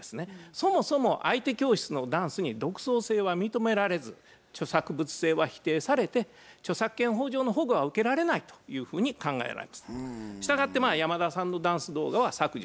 そもそも相手教室のダンスに独創性は認められず著作物性は否定されて著作権法上の保護は受けられないというふうに考えられます。